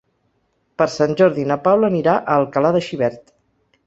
Per Sant Jordi na Paula anirà a Alcalà de Xivert.